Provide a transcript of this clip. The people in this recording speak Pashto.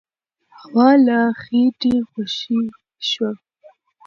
هوا له خېټې خوشې شوه.